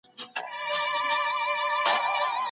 که اوږده ډوډۍ ماڼۍ ته یوړل نه سي، بد به وي.